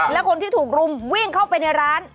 และคนที่ถูกรุมวิ่งเข้าไปในร้าน